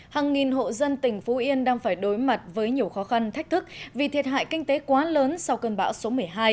hàng nghìn hộ dân tỉnh phú yên đang phải đối mặt với nhiều khó khăn thách thức vì thiệt hại kinh tế quá lớn sau cơn bão số một mươi hai